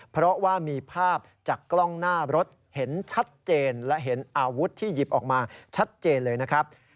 เพราะว่ามีภาพจากกล้องหน้ารถเห็นชัดเจนและเห็นอาวุธที่หยิบออกมาชัดเจนเลยนะครับ